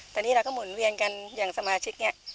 แต่นี่เราก็หมุนเวียนกันอย่างสมาชิกเนี่ย